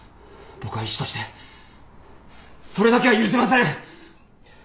僕は医師としてそれだけは許せません！